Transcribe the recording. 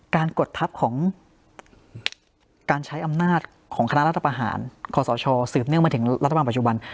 กดทัพของการใช้อำนาจของคณะรัฐประหารคศสืบเนื่องมาถึงรัฐบาลปัจจุบัน